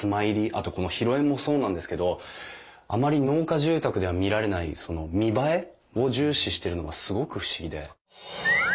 あとこの広縁もそうなんですけどあまり農家住宅では見られないその見栄えを重視してるのがすごく不思議で。